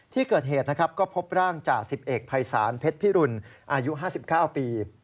ที่เกิดเหตุก็พบร่างจ่าสิบเอกภัยสารเพชรพิรุนอายุห้าสิบเก้าปี